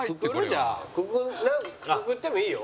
じゃあくくってもいいよ。